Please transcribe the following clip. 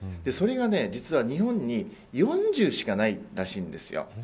それが実は日本に４０しかないんです。